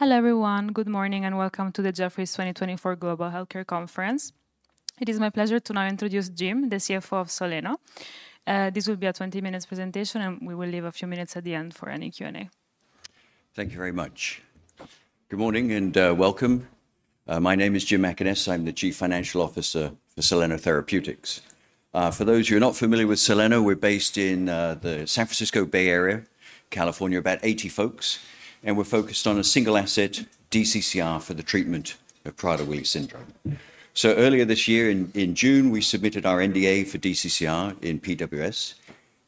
Hello everyone, good morning and welcome to the Jefferies 2024 Global Healthcare Conference. It is my pleasure to now introduce Jim, the CFO of Soleno. This will be a 20-minute presentation, and we will leave a few minutes at the end for any Q&A. Thank you very much. Good morning and welcome. My name is Jim Mackaness. I'm the Chief Financial Officer for Soleno Therapeutics. For those who are not familiar with Soleno, we're based in the San Francisco Bay Area, California, about 80 folks, and we're focused on a single asset, DCCR, for the treatment of Prader-Willi syndrome. Earlier this year in June, we submitted our NDA for DCCR in PWS,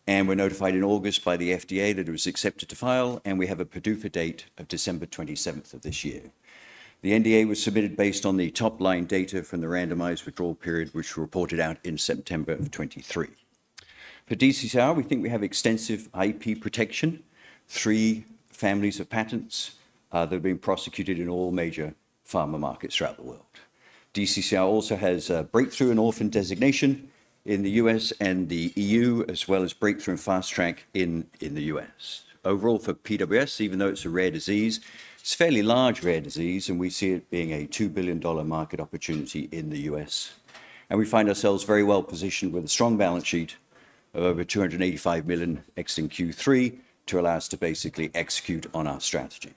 and we're notified in August by the FDA that it was accepted to file, and we have a PDUFA date of December 27th of this year. The NDA was submitted based on the top-line data from the randomized withdrawal period, which were reported out in September of 2023. For DCCR, we think we have extensive IP protection, three families of patents that have been prosecuted in all major pharma markets throughout the world. DCCR also has a Breakthrough and Orphan designation in the U.S. and the EU, as well as Breakthrough and Fast Track in the U.S. Overall, for PWS, even though it's a rare disease, it's a fairly large rare disease, and we see it being a $2 billion market opportunity in the U.S. We find ourselves very well positioned with a strong balance sheet of over $285 million exiting Q3 to allow us to basically execute on our strategy.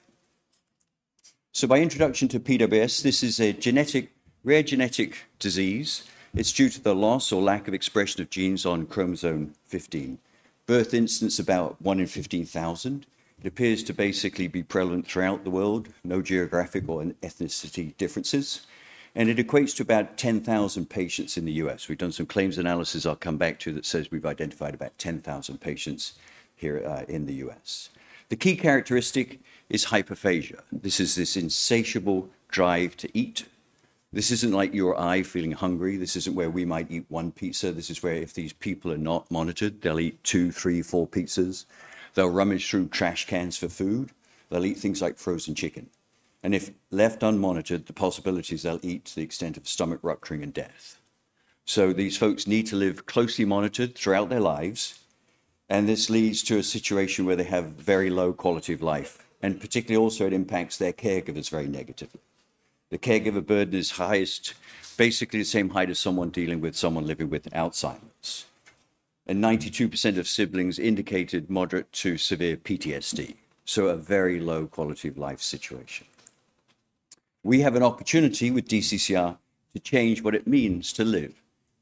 By introduction to PWS, this is a genetic, rare genetic disease. It's due to the loss or lack of expression of genes on chromosome 15. Birth incidence about one in 15,000. It appears to basically be prevalent throughout the world, no geographic or ethnicity differences, and it equates to about 10,000 patients in the U.S. We've done some claims analysis, I'll come back to, that says we've identified about 10,000 patients here in the U.S. The key characteristic is hyperphagia. This is this insatiable drive to eat. This isn't like you or I feeling hungry. This isn't where we might eat one pizza. This is where if these people are not monitored, they'll eat two, three, four pizzas. They'll rummage through trash cans for food. They'll eat things like frozen chicken, and if left unmonitored, the possibility is they'll eat to the extent of stomach rupturing and death, so these folks need to live closely monitored throughout their lives, and this leads to a situation where they have very low quality of life, and particularly also it impacts their caregivers very negatively. The caregiver burden is highest, basically the same height as someone dealing with someone living with Alzheimer's. 92% of siblings indicated moderate to severe PTSD, so a very low quality of life situation. We have an opportunity with DCCR to change what it means to live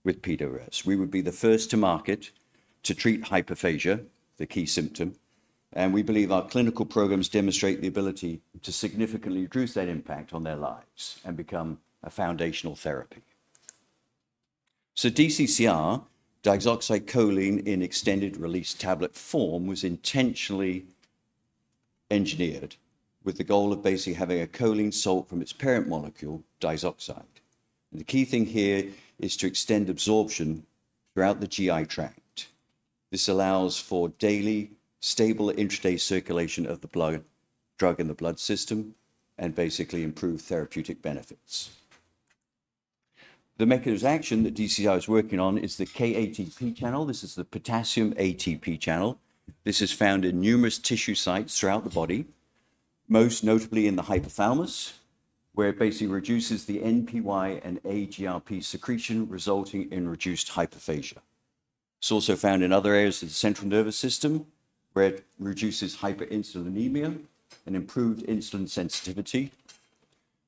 with PWS. We would be the first to market to treat hyperphagia, the key symptom, and we believe our clinical programs demonstrate the ability to significantly reduce that impact on their lives and become a foundational therapy. DCCR, diazoxide choline in extended-release tablet form, was intentionally engineered with the goal of basically having a choline salt from its parent molecule, diazoxide. The key thing here is to extend absorption throughout the GI tract. This allows for daily, stable intraday circulation of the drug in the blood system and basically improved therapeutic benefits. The mechanism of action that DCCR is working on is the KATP channel. This is the potassium ATP channel. This is found in numerous tissue sites throughout the body, most notably in the hypothalamus, where it basically reduces the NPY and AGRP secretion, resulting in reduced hyperphagia. It's also found in other areas of the central nervous system, where it reduces hyperinsulinemia and improved insulin sensitivity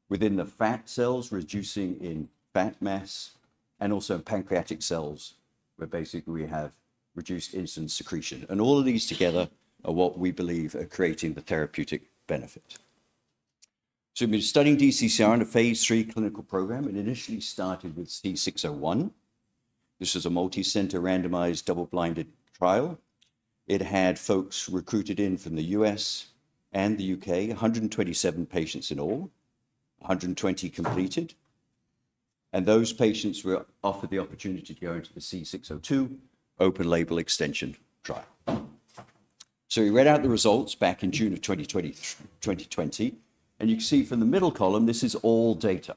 within the fat cells, reducing in fat mass, and also in pancreatic cells, where basically we have reduced insulin secretion, and all of these together are what we believe are creating the therapeutic benefit, so we've been studying DCCR in a phase three clinical program. It initially started with C601. This was a multi-center randomized double-blinded trial. It had folks recruited in from the U.S. and the U.K., 127 patients in all, 120 completed, and those patients were offered the opportunity to go into the C602 open-label extension trial. So we read out the results back in June of 2020, and you can see from the middle column; this is all data,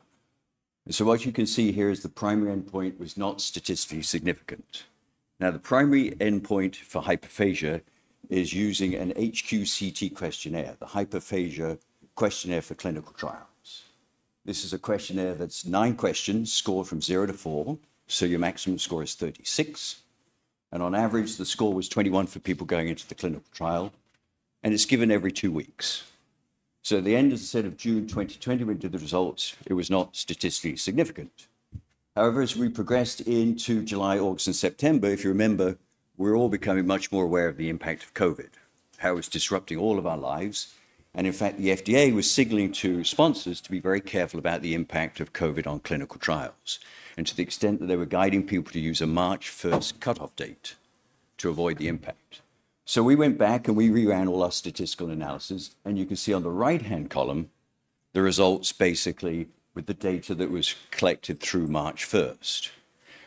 and so what you can see here is the primary endpoint was not statistically significant. Now, the primary endpoint for hyperphagia is using an HQCT questionnaire, the Hyperphagia Questionnaire for Clinical Trials. This is a questionnaire that's nine questions scored from zero to four, so your maximum score is 36, and on average, the score was 21 for people going into the clinical trial, and it's given every two weeks, so at the end of the set of June 2020, we did the results. It was not statistically significant. However, as we progressed into July, August, and September, if you remember, we're all becoming much more aware of the impact of COVID, how it's disrupting all of our lives. In fact, the FDA was signaling to sponsors to be very careful about the impact of COVID on clinical trials and to the extent that they were guiding people to use a March 1st cutoff date to avoid the impact. We went back and we re-ran all our statistical analysis, and you can see on the right-hand column, the results basically with the data that was collected through March 1st.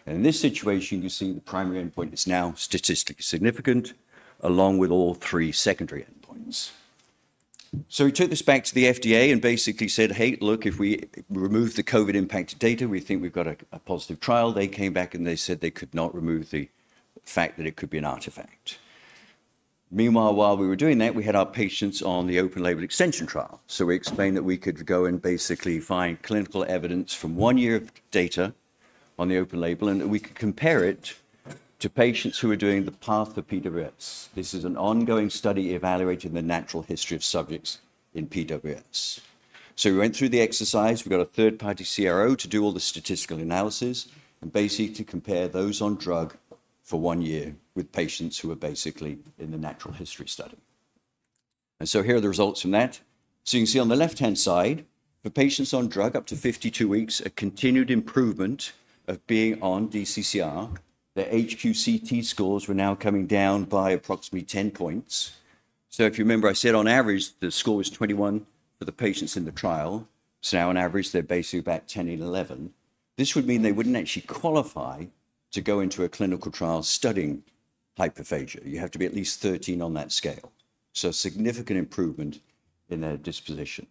In this situation, you can see the primary endpoint is now statistically significant along with all three secondary endpoints. We took this back to the FDA and basically said, "Hey, look, if we remove the COVID-impacted data, we think we've got a positive trial." They came back and they said they could not remove the fact that it could be an artifact. Meanwhile, while we were doing that, we had our patients on the open-label extension trial. So we explained that we could go and basically find clinical evidence from one year of data on the open label, and we could compare it to patients who were doing the PATH for PWS. This is an ongoing study evaluating the natural history of subjects in PWS. So we went through the exercise. We got a third-party CRO to do all the statistical analysis and basically to compare those on drug for one year with patients who were basically in the natural history study. And so here are the results from that. So you can see on the left-hand side, for patients on drug up to 52 weeks, a continued improvement of being on DCCR. Their HQCT scores were now coming down by approximately 10 points. So if you remember, I said on average the score was 21 for the patients in the trial. So now on average, they're basically about 10 and 11. This would mean they wouldn't actually qualify to go into a clinical trial studying hyperphagia. You have to be at least 13 on that scale. So significant improvement in their disposition.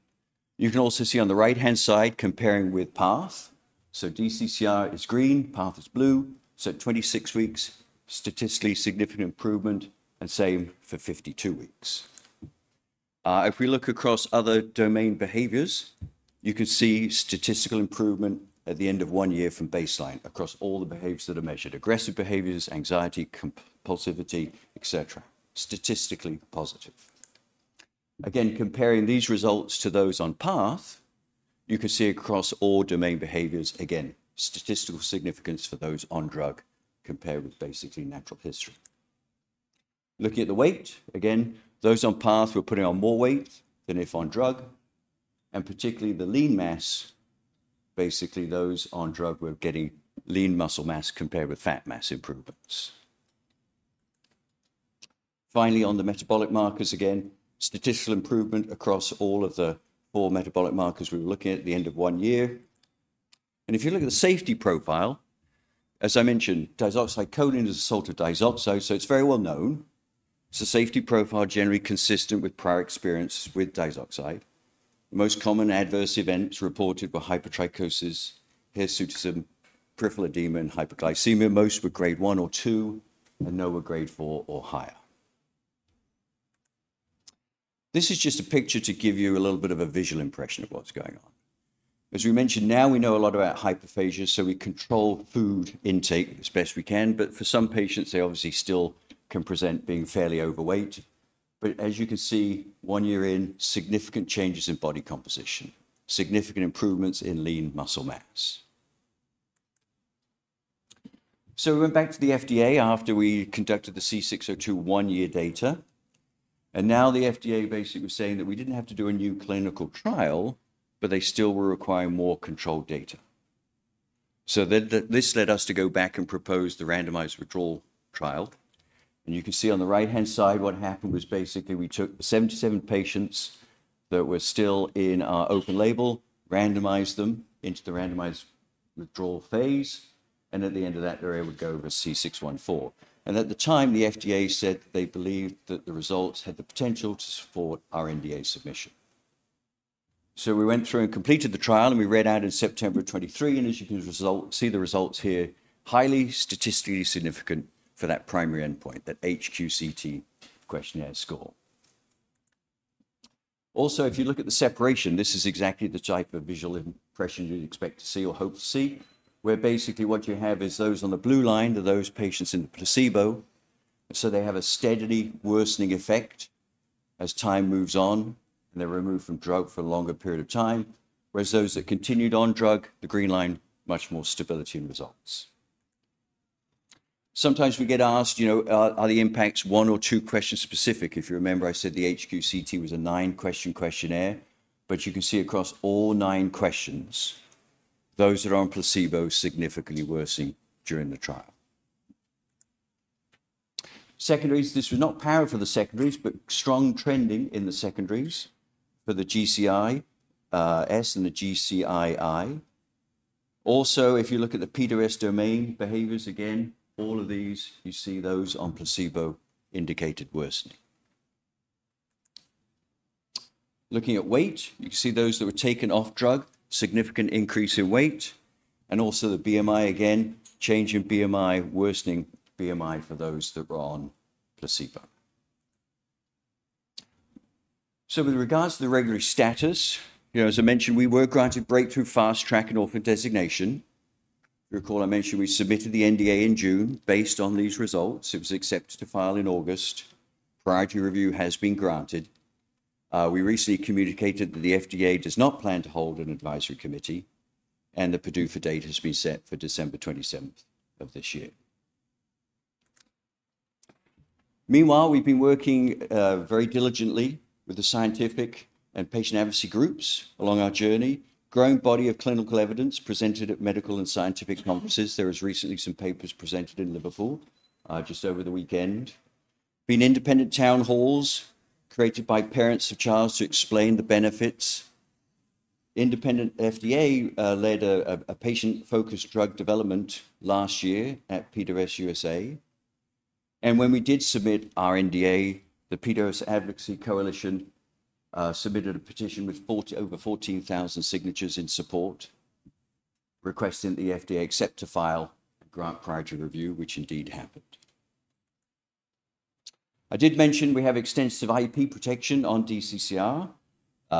You can also see on the right-hand side comparing with PATH. So DCCR is green, PATH is blue. So at 26 weeks, statistically significant improvement, and same for 52 weeks. If we look across other domain behaviors, you can see statistical improvement at the end of one year from baseline across all the behaviors that are measured: aggressive behaviors, anxiety, compulsivity, et cetera. Statistically positive. Again, comparing these results to those on PATH, you can see across all domain behaviors, again, statistical significance for those on drug compared with basically natural history. Looking at the weight, again, those on PATH were putting on more weight than if on drug. And particularly the lean mass, basically those on drug were getting lean muscle mass compared with fat mass improvements. Finally, on the metabolic markers again, statistical improvement across all of the four metabolic markers we were looking at at the end of one year. And if you look at the safety profile, as I mentioned, diazoxide choline is a salt of diazoxide, so it's very well known. It's a safety profile generally consistent with prior experience with diazoxide. The most common adverse events reported were hypertrichosis, hirsutism, peripheral edema, and hypoglycemia. Most were grade one or two and none were grade four or higher. This is just a picture to give you a little bit of a visual impression of what's going on. As we mentioned, now we know a lot about hyperphagia, so we control food intake as best we can, but for some patients, they obviously still can present being fairly overweight. But as you can see, one year in, significant changes in body composition, significant improvements in lean muscle mass. So we went back to the FDA after we conducted the C602 one-year data, and now the FDA basically was saying that we didn't have to do a new clinical trial, but they still were requiring more controlled data. So this led us to go back and propose the randomized withdrawal trial. You can see on the right-hand side what happened was basically we took 77 patients that were still in our open label, randomized them into the randomized withdrawal phase, and at the end of that, they were able to go over C614. At the time, the FDA said they believed that the results had the potential to support our NDA submission. We went through and completed the trial, and we read out in September 2023, and as you can see the results here, highly statistically significant for that primary endpoint, that HQCT questionnaire score. Also, if you look at the separation, this is exactly the type of visual impression you'd expect to see or hope to see, where basically what you have is those on the blue line are those patients in the placebo, so they have a steadily worsening effect as time moves on, and they're removed from drug for a longer period of time, whereas those that continued on drug, the green line, much more stability in results. Sometimes we get asked, you know, are the impacts one or two questions specific? If you remember, I said the HQCT was a nine-question questionnaire, but you can see across all nine questions, those that are on placebo significantly worsening during the trial. Secondaries, this was not powered for the secondaries, but strong trending in the secondaries for the CGI-S and the CGI-I. Also, if you look at the PWS domain behaviors again, all of these, you see those on placebo indicated worsening. Looking at weight, you can see those that were taken off drug, significant increase in weight, and also the BMI again, change in BMI, worsening BMI for those that were on placebo. So with regards to the regulatory status, you know, as I mentioned, we were granted Breakthrough, Fast Track, and Orphan designation. Recall I mentioned we submitted the NDA in June based on these results. It was accepted to file in August. Priority Review has been granted. We recently communicated that the FDA does not plan to hold an advisory committee, and the PDUFA date has been set for December 27th of this year. Meanwhile, we've been working very diligently with the scientific and patient advocacy groups along our journey with a growing body of clinical evidence presented at medical and scientific conferences. There was recently some papers presented in Liverpool just over the weekend. Independent town halls created by parents of children to explain the benefits. An independent FDA-led patient-focused drug development meeting last year at PWS USA. And when we did submit our NDA, the PWS Advocacy Coalition submitted a petition with over 14,000 signatures in support, requesting that the FDA accept for filing and grant Priority Review, which indeed happened. I did mention we have extensive IP protection on DCCR.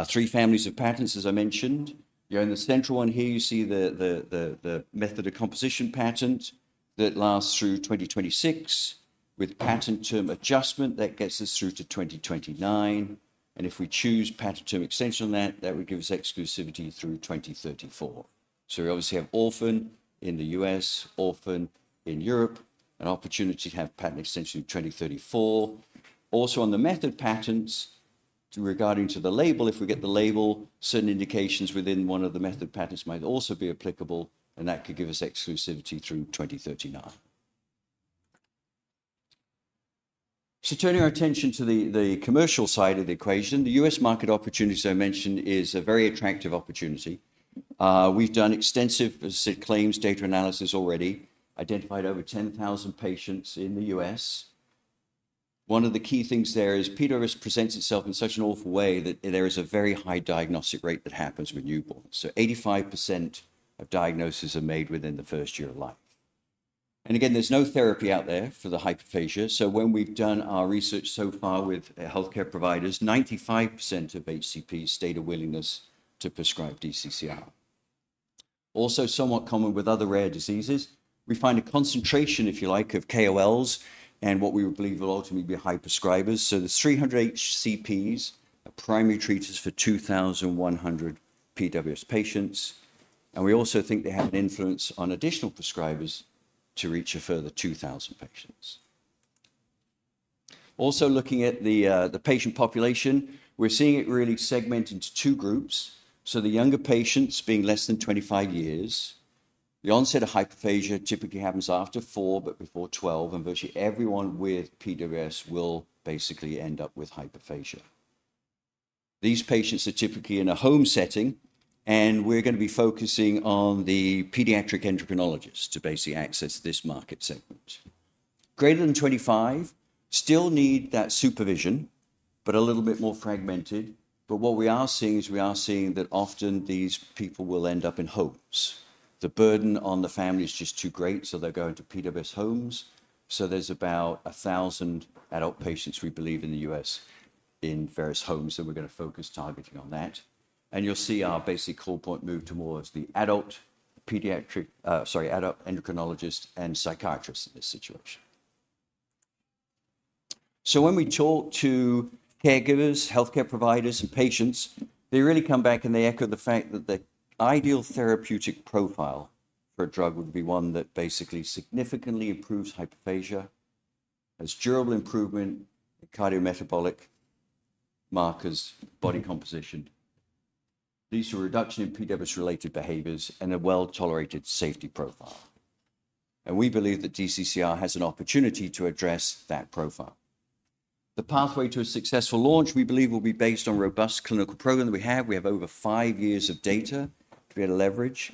Three families of patents, as I mentioned. You're in the central one here. You see the method of composition patent that lasts through 2026 with patent term adjustment that gets us through to 2029. And if we choose patent term extension on that, that would give us exclusivity through 2034. So we obviously have orphan in the U.S., orphan in Europe, an opportunity to have patent extension through 2034. Also on the method patents, regarding to the label, if we get the label, certain indications within one of the method patents might also be applicable, and that could give us exclusivity through 2039. So turning our attention to the commercial side of the equation, the U.S. market opportunity I mentioned is a very attractive opportunity. We've done extensive claims data analysis already, identified over 10,000 patients in the U.S. One of the key things there is PWS presents itself in such an awful way that there is a very high diagnostic rate that happens with newborns. So 85% of diagnoses are made within the first year of life. And again, there's no therapy out there for the hyperphagia. So when we've done our research so far with healthcare providers, 95% of HCPs state a willingness to prescribe DCCR. Also somewhat common with other rare diseases, we find a concentration, if you like, of KOLs and what we believe will ultimately be high prescribers. So there's 300 HCPs, primary treaters for 2,100 PWS patients. And we also think they have an influence on additional prescribers to reach a further 2,000 patients. Also looking at the patient population, we're seeing it really segment into two groups. So the younger patients being less than 25 years, the onset of hyperphagia typically happens after four, but before 12, and virtually everyone with PWS will basically end up with hyperphagia. These patients are typically in a home setting, and we're going to be focusing on the pediatric endocrinologists to basically access this market segment. Greater than 25 still need that supervision, but a little bit more fragmented. But what we are seeing is we are seeing that often these people will end up in homes. The burden on the family is just too great, so they're going to PWS homes. So there's about 1,000 adult patients, we believe, in the U.S. in various homes, and we're going to focus targeting on that. And you'll see our basic call point move towards the adult pediatric, sorry, adult endocrinologist and psychiatrist in this situation. When we talk to caregivers, healthcare providers, and patients, they really come back and they echo the fact that the ideal therapeutic profile for a drug would be one that basically significantly improves hyperphagia as durable improvement in cardiometabolic markers, body composition. These are reduction in PWS-related behaviors and a well-tolerated safety profile. We believe that DCCR has an opportunity to address that profile. The pathway to a successful launch we believe will be based on a robust clinical program that we have. We have over five years of data to be able to leverage.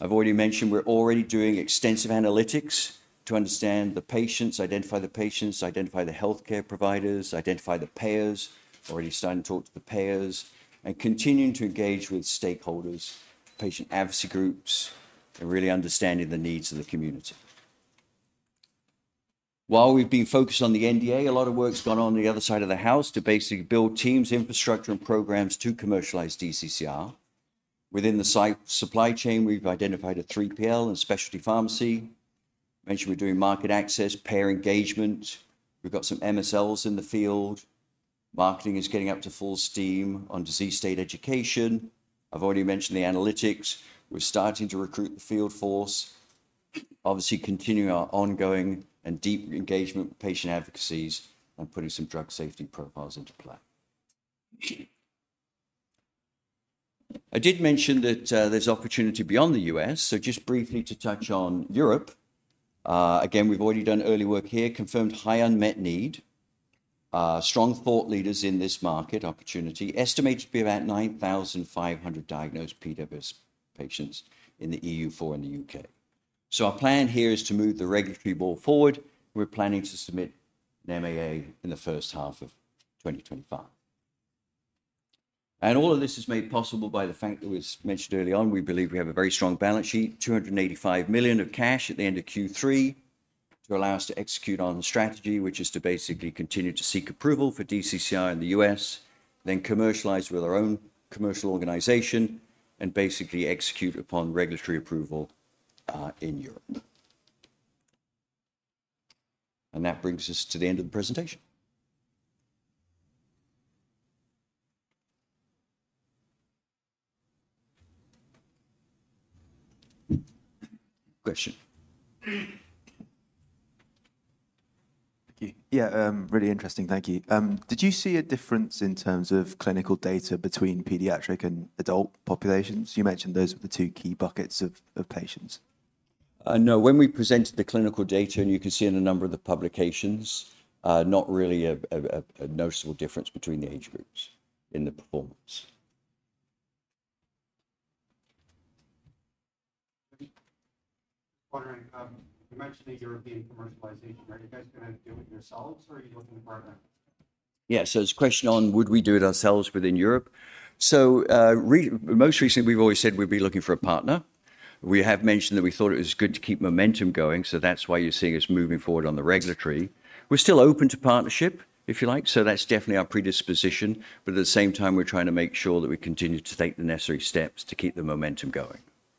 I've already mentioned we're already doing extensive analytics to understand the patients, identify the patients, identify the healthcare providers, identify the payers, already starting to talk to the payers, and continuing to engage with stakeholders, patient advocacy groups, and really understanding the needs of the community. While we've been focused on the NDA, a lot of work's gone on the other side of the house to basically build teams, infrastructure, and programs to commercialize DCCR. Within the supply chain, we've identified a 3PL and specialty pharmacy. I mentioned we're doing market access, payer engagement. We've got some MSLs in the field. Marketing is getting up to full steam on disease state education. I've already mentioned the analytics. We're starting to recruit the field force, obviously continuing our ongoing and deep engagement with patient advocacy and putting some drug safety profiles into play. I did mention that there's opportunity beyond the U.S., so just briefly to touch on Europe. Again, we've already done early work here, confirmed high unmet need, strong thought leaders in this market opportunity, estimated to be about 9,500 diagnosed PWS patients in the EU, 4,000 in the U.K. So our plan here is to move the regulatory ball forward. We're planning to submit an MAA in the first half of 2025. And all of this is made possible by the fact that we mentioned early on, we believe we have a very strong balance sheet, $285 million of cash at the end of Q3 to allow us to execute on the strategy, which is to basically continue to seek approval for DCCR in the U.S., then commercialize with our own commercial organization and basically execute upon regulatory approval in Europe. And that brings us to the end of the presentation. Question. Thank you. Yeah, really interesting. Thank you. Did you see a difference in terms of clinical data between pediatric and adult populations? You mentioned those were the two key buckets of patients. No, when we presented the clinical data, and you can see in a number of the publications, not really a noticeable difference between the age groups in the performance. You mentioned the European commercialization. Are you guys going to do it yourselves, or are you looking to partner? Yeah, so it's a question on would we do it ourselves within Europe. So most recently, we've always said we'd be looking for a partner. We have mentioned that we thought it was good to keep momentum going, so that's why you're seeing us moving forward on the regulatory. We're still open to partnership, if you like, so that's definitely our predisposition. But at the same time, we're trying to make sure that we continue to take the necessary steps to keep the momentum going.